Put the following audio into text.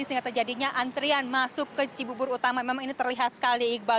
sehingga terjadinya antrian masuk ke cibubur utama memang ini terlihat sekali iqbal